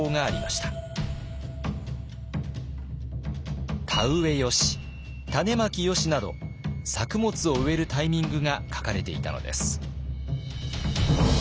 「たねまきよし」など作物を植えるタイミングが書かれていたのです。